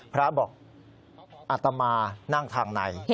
พระบอกอัตมานั่งทางใน